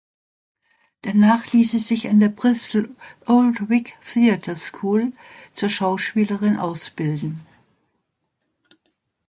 Danach ließ sie sich an der Bristol Old Vic Theatre School zur Schauspielerin ausbilden.